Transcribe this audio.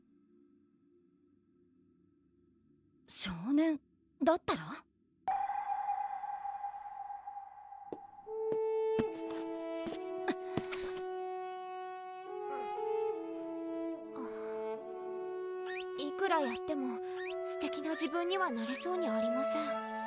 少年だったらいくらやってもすてきな自分にはなれそうにありません